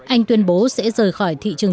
anh tuyên bố sẽ rời khỏi thị trường